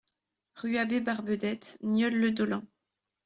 Rue Abbé Barbedette, Nieul-le-Dolent